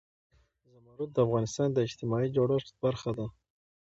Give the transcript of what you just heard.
زمرد د افغانستان د اجتماعي جوړښت برخه ده.